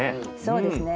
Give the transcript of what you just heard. そうですね。